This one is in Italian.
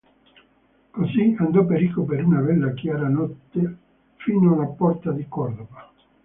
Così andò Perico per una bella chiara notte fino alla porta di Cordova.